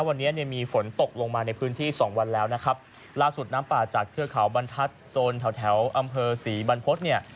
วันนี้เนี่ยมีฝนตกลงมาในพื้นที่สองวันแล้วนะครับล่าสุดน้ำป่าจากเทือกเขาบรรทัศน์โซนแถวแถวอำเภอศรีบรรพฤษเนี่ย